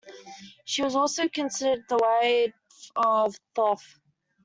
She was also considered the wife of Thoth.